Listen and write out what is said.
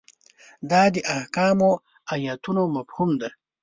دا د احکامو ایتونو مفهوم ده.